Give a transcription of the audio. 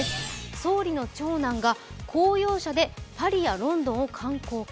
総理の長男が、公用車でパリやロンドンを観光か。